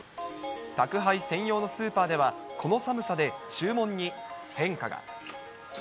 宅配専用のスーパーでは、この寒さで注文に変化が。